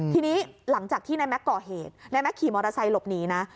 ทีนี้หลังจากที่นายแม็กซ์ก่อเหตุนายแม็กซขี่มอเตอร์ไซค์หลบหนีนะ